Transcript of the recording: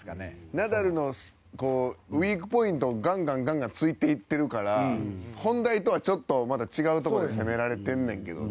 ナダルのウィークポイントをガンガン突いていってるから本題とはちょっと違うところで攻められてんけどな。